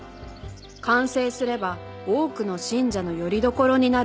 「完成すれば多くの信者のよりどころになる」